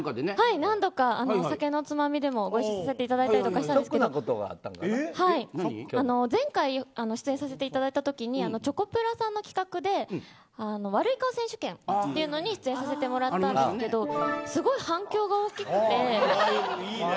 何度か酒のツマミになる話で共演させていただいたりとかしたんですけど前回出演させていただいたときにチョコプラさんの企画で悪い顔選手権というのに出演させてもらったんですけどすごい反響が大きくて。